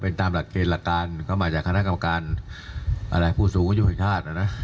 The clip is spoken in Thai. เป็นตามหลักเกณฑ์หลักการก็มาจากคณะกรรมการอะไรผู้สูงอายุแห่งชาตินะ